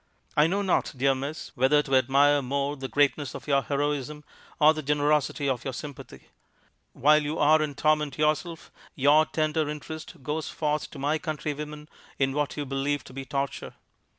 'I know not, dear miss, whether to admire more the greatness of your heroism or the generosity of your sympathy. While you are in torment yourself, your tender interest goes forth to my countrywomen in what you believe to be torture.